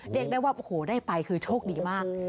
เรียกได้ว่าโอ้โหได้ไปคือโชคดีมาก